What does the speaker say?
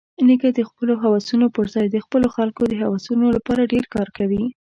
نیکه د خپلو هوسونو پرځای د خپلو خلکو د هوسونو لپاره ډېر کار کوي.